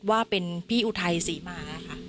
ว่าเป็นพี่อุทัยศรีมาค่ะ